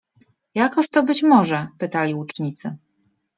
Jakoż to być może? — pytali łucznicy.